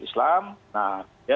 itu adalah perkembangan politik islam